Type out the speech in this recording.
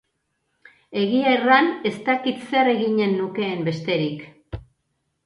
Egia erran, ez dakit zer eginen nukeen besterik.